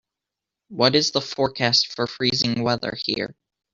what is the forecast for freezing weather here